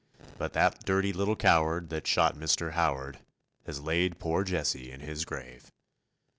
But that dirty little coward that shot Mr. Howard Has laid poor Jesse in his grave.